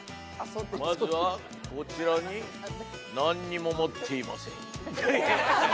まずはこちらに何も持っていません。